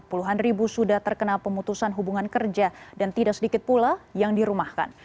puluhan ribu sudah terkena pemutusan hubungan kerja dan tidak sedikit pula yang dirumahkan